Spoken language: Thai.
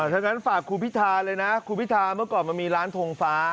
ถ้างั้นฝากคุณพิธาเลยนะคุณพิธาเมื่อก่อนมันมีร้านทงฟ้า